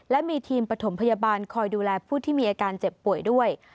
และมีทีมปฐมพยาบาลคอยดูแลผู้ที่มีอาการเจ็บป่วยด้วย